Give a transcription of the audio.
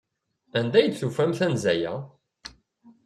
Anda ay d-tufamt anza-a?